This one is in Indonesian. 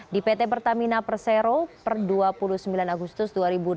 di pt pertamina persero per dua puluh sembilan agustus dua ribu delapan belas